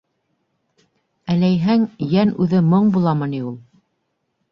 Әләйһәң, Йән үҙе моң буламы ни ул?